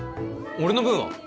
俺の分は？